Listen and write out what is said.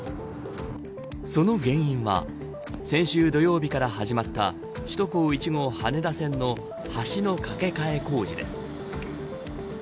その原因は先週土曜日から始まった首都高１号羽田線の橋の架け替え工事です。